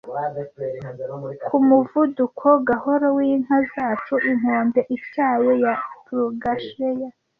ku muvuduko gahoro w'inka zacu inkombe ityaye ya ploughshare